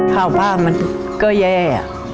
ข้าวบ้านมันก็แย่